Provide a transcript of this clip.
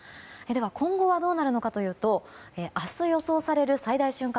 今後はどうなるのかというと明日予想される最大瞬間